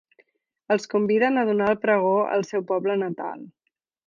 Els conviden a donar el pregó al seu poble natal.